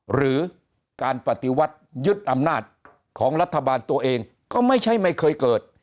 หรือการปฏิวัติยึดอำนาจของรัฐบาลตัวเองก็ไม่ใช่ไม่เคยเกิด